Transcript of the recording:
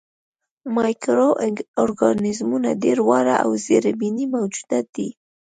مایکرو ارګانیزمونه ډېر واړه او زرېبيني موجودات دي.